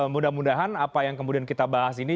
mudah mudahan apa yang kemudian kita bahas ini